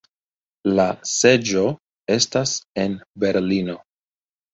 La seĝo estas en Berlino.